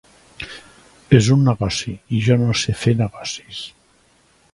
És un negoci, i jo no ser fer negocis.